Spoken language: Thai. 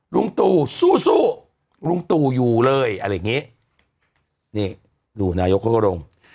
ลุงตู่สู้สู้ลุงตู่อยู่เลยอะไรอย่างนี้นี่ดูนายกเขาก็ลง